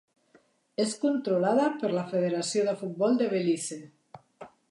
És controlada per la Federació de Futbol de Belize.